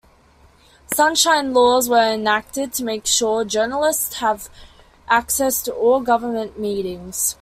Sunshine laws were enacted to make sure journalists have access to all government meetings.